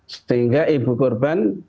sehingga ibu korban